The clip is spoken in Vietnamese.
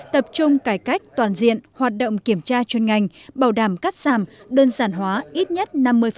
tập trung cải cách toàn diện hoạt động kiểm tra chuyên ngành bảo đảm cắt giảm đơn giản hóa ít nhất năm mươi